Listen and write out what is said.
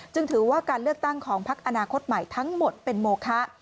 ถือว่าการเลือกตั้งของพักอนาคตใหม่ทั้งหมดเป็นโมคะ